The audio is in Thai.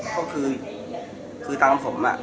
ก็คือคือตามกันผมอะ